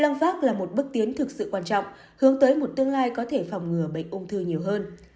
năng phát là một bước tiến thực sự quan trọng hướng tới một tương lai có thể phòng ngừa bệnh ung thư nhiều hơn